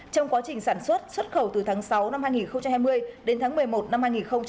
trong quá trình sản xuất xuất khẩu từ tháng sáu năm hai nghìn hai mươi đến tháng một mươi một năm hai nghìn hai mươi